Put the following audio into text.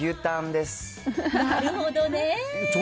なるほどね。